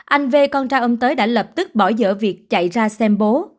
anh về con trai ông tới đã lập tức bỏ dỡ việc chạy ra xem bố